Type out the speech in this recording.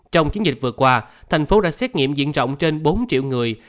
trong chiến dịch vừa qua thành phố đã xét nghiệm diện rộng trên bốn triệu người